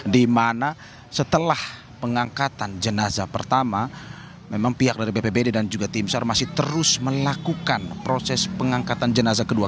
di mana setelah pengangkatan jenazah pertama memang pihak dari bpbd dan juga tim sar masih terus melakukan proses pengangkatan jenazah kedua